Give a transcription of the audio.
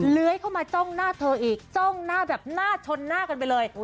เลื้อยเข้ามาจ้องหน้าเธออีกจ้องหน้าแบบหน้าชนหน้ากันไปเลย